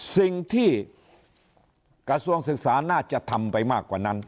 สิ่งที่กระทรวงศึกษาน่าจะทำไปมากกว่านั้น